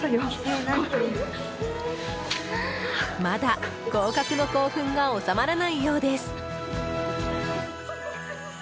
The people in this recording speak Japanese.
まだ合格の興奮が収まらないようです。